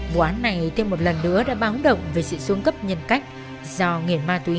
vụ án này thêm một lần nữa đã báo động về sự xuống cấp nhân tính